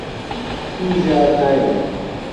دوو جار نایڵێم.